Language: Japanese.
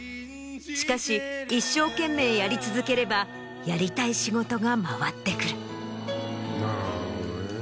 しかし一生懸命やり続ければやりたい仕事が回ってくる。